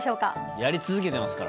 やり続けてますから。